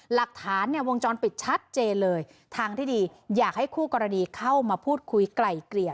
หลักฐานเนี่ยวงจรปิดชัดเจนเลยทางที่ดีอยากให้คู่กรณีเข้ามาพูดคุยไกล่เกลี่ย